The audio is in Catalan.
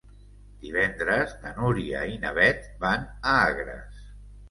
Divendres na Núria i na Beth van a Agres.